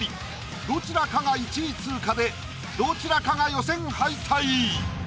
どちらかが１位通過でどちらかが予選敗退。